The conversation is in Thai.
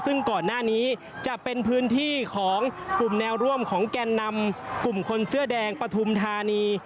ซึ่งก่อนหน้านี้จะเป็นพื้นที่ของกลุ่มแนวร่วมของแกนนำกลุ่มคนเสื้อแดงปฐุมธานี